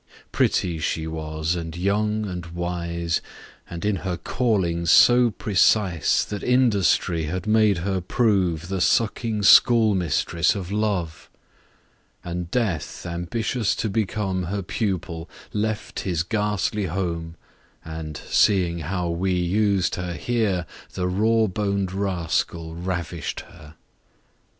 Pretty she was, and young, and wise, And in her Calling so precise, That Industry had made her prove The sucking School Mistress of Love : And Death, ambitious to become Her Pupil, left his Ghastly home, And, seeing how we us'd her here, The raw bon'd Rascal ravisht her.